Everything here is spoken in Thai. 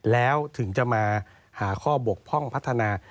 แล้วถึงจะมาหาข้อบกพร่องพัฒนา